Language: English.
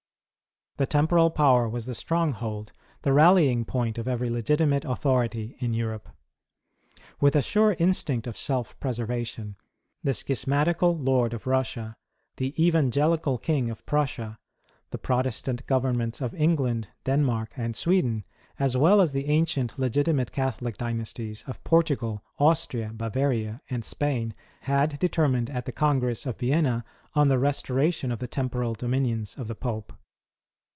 The temporal power was the stronghold, the rallying point of every legitimate authority in Europe. With a sure instinct of self preservation, the Schismatical Lord of Russia, the Evangelical King of Prussia, the Protestant Governments of England, Denmark, and Sweden, as well as the ancient legitimate Catholic dynasties of Portugal, Austria, Bavaria, and Spain had determined at the Congress of Vienna on the restoration of the temporal dominions of the Pope.